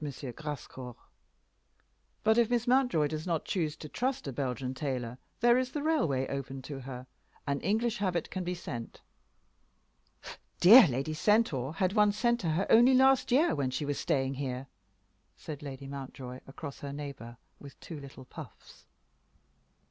Grascour. "But if Miss Mountjoy does not choose to trust a Belgian tailor there is the railway open to her. An English habit can be sent." "Dear Lady Centaur had one sent to her only last year, when she was staying here," said Lady Mountjoy across her neighbor, with two little puffs.